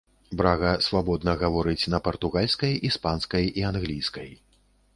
Брага свабодна гаворыць на партугальскай, іспанскай і англійскай.